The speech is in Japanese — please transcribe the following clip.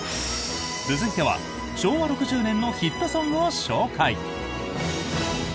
続いては、昭和６０年のヒットソングを紹介！